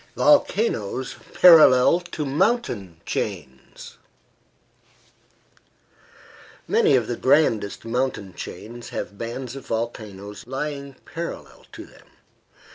VOLCANOES PARALLEL TO MOUNTAIN CHAINS Many of the grandest mountain chains have bands of volcanoes lying parallel to them.